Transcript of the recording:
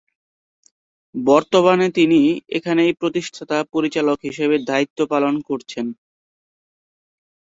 বর্তমানে তিনি এখানেই প্রতিষ্ঠাতা পরিচালক হিসেবে দায়িত্ব পালন করছেন।